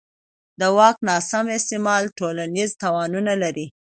د واک ناسم استعمال ټولنیز تاوانونه لري